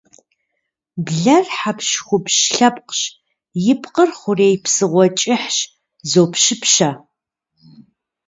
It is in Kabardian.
Блэр хьэпщхупщ лъэпкъщ, и пкъыр хъурей псыгъуэ кӏыхьщ, зопщыпщэ.